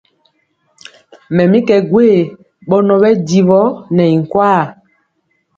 Mɛ mi kɛ gwee ɓɔnɔ ɓɛ jiwɔ nɛ i nkwaa.